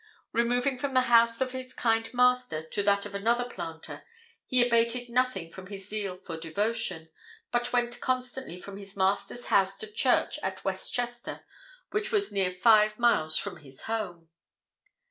Removing from the house of his kind master to that of another planter, he abated nothing in his zeal for devotion, but went constantly from his master's house to church at West Chester, which was near five miles from his home.